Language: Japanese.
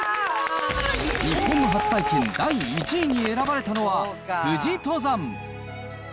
日本の初体験第１位に選ばれたのは、富士登山。